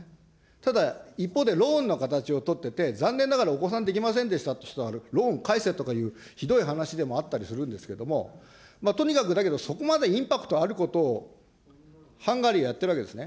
ただ、一方でローンの形をとってて、残念ながらお子さんできませんでしたって人はローン返せって、ひどい話でもあったりするんですけど、とにかく、だけどそこまでインパクトあることを、ハンガリー、やっているわけですね。